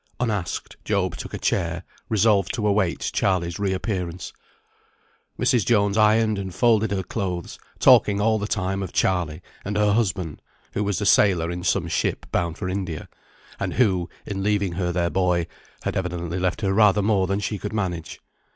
Unasked, Job took a chair, resolved to await Charley's re appearance. Mrs. Jones ironed and folded her clothes, talking all the time of Charley and her husband, who was a sailor in some ship bound for India, and who, in leaving her their boy, had evidently left her rather more than she could manage.